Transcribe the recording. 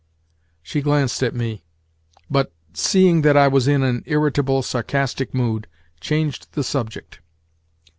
She glanced at me, but, seeing that I was in an irritable, sarcastic mood, changed the subject.